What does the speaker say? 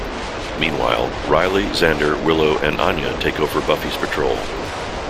Meanwhile, Riley, Xander, Willow and Anya take over Buffy's patrol.